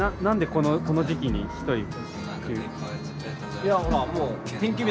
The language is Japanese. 何でこの時期に１人？